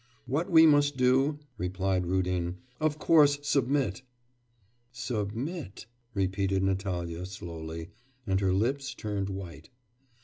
'What we must do?' replied Rudin; 'of course submit.' 'Submit,' repeated Natalya slowly, and her lips turned white.